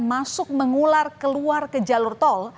masuk mengular keluar ke jalur tol